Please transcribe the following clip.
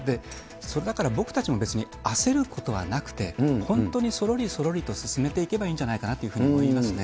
それだから僕たちも別に焦ることはなくて、本当にそろりそろりと進めていけばいいんじゃないかなというふうに思いますね。